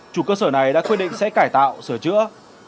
chủ cơ sở này đã quyết định sẽ cải tạo sửa chữa